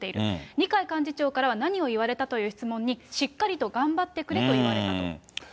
二階幹事長からは、何を言われたという質問に、しっかりと頑張ってくれと言われたと。